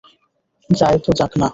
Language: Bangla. যায় তো যাক-না।